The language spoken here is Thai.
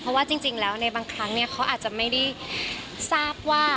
เพราะว่าจริงแล้วในบางครั้งเขาอาจจะไม่ได้ทราบว่า